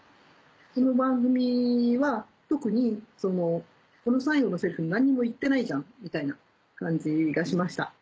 この番組は特にこの最後のセリフに何にも言ってないじゃんみたいな感じがしました。